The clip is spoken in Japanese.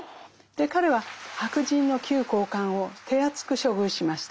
彼は白人の旧高官を手厚く処遇しました。